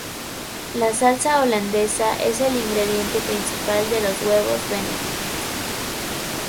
La salsa holandesa es el ingrediente principal de los huevos Benedict.